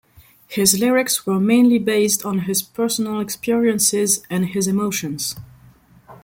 His lyrics were mainly based on his personal experiences and his emotions.